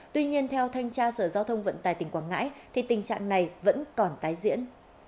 tuy nhiên theo thanh tra sở giao thông vận tài tỉnh quảng ngãi thì tình trạng này vẫn còn tái diễn